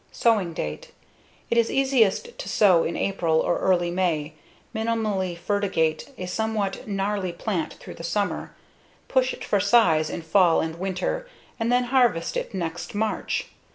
Sowing date: It is easiest to sow in April or early May, minimally fertigate a somewhat gnarly plant through the summer, push it for size in fall and winter, and then harvest it next March.